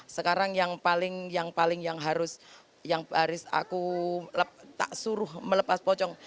sekarang yang paling yang harus yang harus aku tak suruh melepas pocong